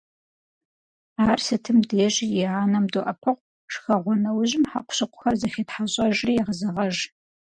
Ар сытым дежи и анэм доӀэпыкъу, шхэгъуэ нэужьым хьэкъущыкъухэр зэхетхьэщӏэжри егъэзэгъэж.